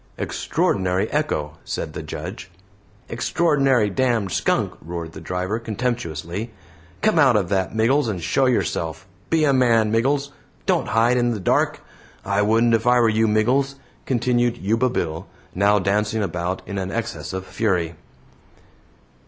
"Extraordinary echo," said the Judge. "Extraordinary damned skunk!" roared the driver, contemptuously. "Come out of that, Miggles, and show yourself! Be a man, Miggles! Don't hide in the dark; I wouldn't if I were you, Miggles," continued Yuba Bill, now dancing about in an excess of fury.